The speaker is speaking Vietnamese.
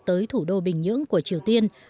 tới thủ đô bình nhưỡng của triều tiên